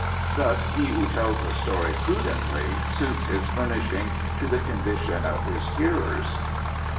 Thus he who tells a story prudently suits his furnishing to the condition of his hearers."